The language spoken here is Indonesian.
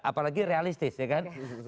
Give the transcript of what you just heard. apalagi realistis ya kan